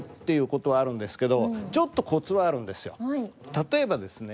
例えばですね